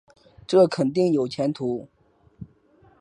这肯定有前途